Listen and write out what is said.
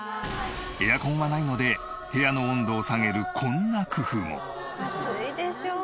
エアコンはないので部屋の温度を下げるこんな工夫も。